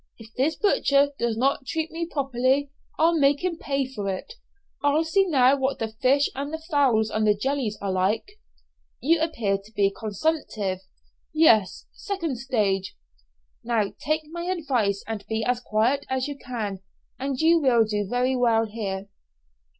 if this butcher does not treat me properly, I'll make him pay for it; I'll see now what the fish and the fowls and the jellies are like." "You appear to be consumptive?" "Yes, second stage." "Now, take my advice and be as quiet as you can, and you will do very well here."